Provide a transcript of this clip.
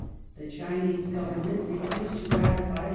The Chinese Government refused to ratify the ^.